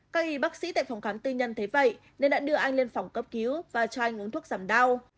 các y bác sĩ tại phòng khám tư nhân thế vậy nên đã đưa anh lên phòng cấp cứu và cho anh uống thuốc giảm đau